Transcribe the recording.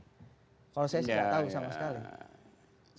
kalau saya sih enggak tahu sama sekali